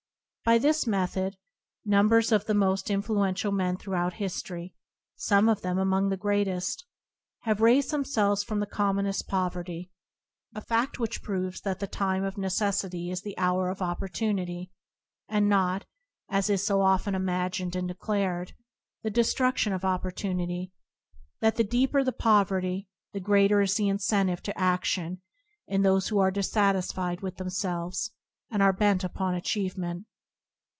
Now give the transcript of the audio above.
By this method, numbers of the most influential men throughout history — some of them among the greatest — have raised themselves from the commonest poverty; 16oDp ano Circumstance a fa6t which proves that the time of neces sity is the hour of opportunity, and not, as is so often imagined and declared, the destruftion of opportunity ; that the deeper the poverty, the greater is the incentive to a6lion in those who are dissatisfied with themselves, and are bent upon achievement.